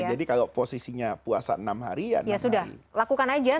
jadi kalau posisinya puasa enam hari ya enam hari